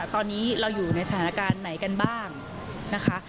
ตอนนี้เราอยู่ในสถานการณ์ไหนกันบ้างนะคะ